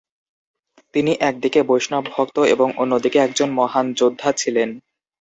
তিনি একদিকে বৈষ্ণব ভক্ত এবং অন্যদিকে একজন মহান যোদ্ধা ছিলেন।